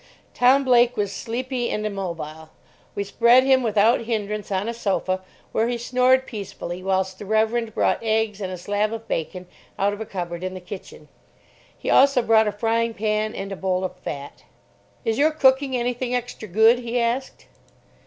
Tom Blake was sleepy and immobile. We spread him without hindrance on a sofa, where he snored peacefully whilst the Reverend brought eggs and a slab of bacon out of a cupboard in the kitchen. He also brought a frying pan, and a bowl of fat. "Is your cooking anything extra good?" he asked.